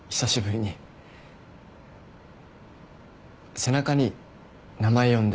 背中に名前呼んで。